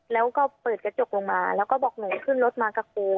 แล้วก็เปิดกระจกลงมาแล้วก็บอกหนูขึ้นรถมากับครู